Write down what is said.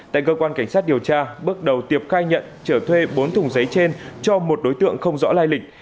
tại cơ quan cảnh sát điều tra bước đầu tiệp khai nhận trở thuê bốn thùng giấy trên cho một đối tượng không rõ lai lịch